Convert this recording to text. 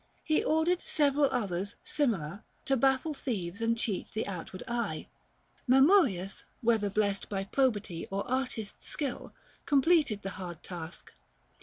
. He ordered several others, similar, To baffle thieves and cheat the outward eye. Mamurius, whether blessed by probity 410 Or artists' skill, completed the hard task.